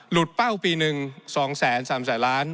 หลุดเป้าปีนึง๒๓๓๐๐๐บาท